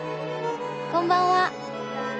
こんばんは。